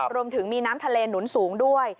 รวมถึงมีน้ำทะเลหนุนสูงด้วย